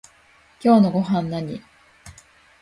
今日のごはんなに？